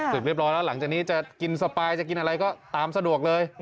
เรียบร้อยแล้วหลังจากนี้จะกินสปายจะกินอะไรก็ตามสะดวกเลย